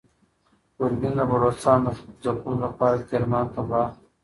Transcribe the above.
ګورګین د بلوڅانو د ځپلو لپاره کرمان ته لاړ.